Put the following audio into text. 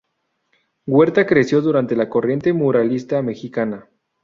Huerta creció durante la corriente muralista mexicana.